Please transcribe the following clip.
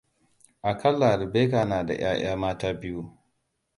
A ƙalla Rabecca na da ƴaƴa mata biyu.